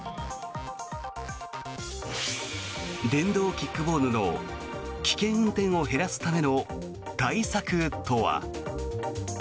電動キックボードの危険運転を減らすための対策とは。